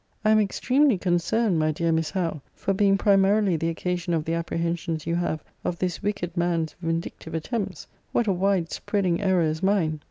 I am extremely concerned, my dear Miss Howe, for being primarily the occasion of the apprehensions you have of this wicked man's vindictive attempts. What a wide spreading error is mine!